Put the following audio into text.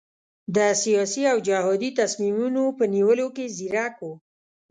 د سیاسي او جهادي تصمیمونو په نیولو کې ځیرک وو.